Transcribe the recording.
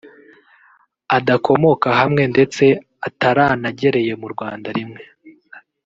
adakomoka hamwe ndetse ataranagereye mu Rwanda rimwe